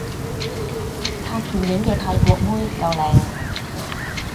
拍電影嘅泰國妹夠靚